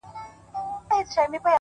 • سوخ خوان سترگو كي بيده ښكاري،